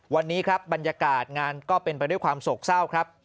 วันนี้ครับบรรยากาศงานก็เป็นไปด้วยความโศกเศร้าครับ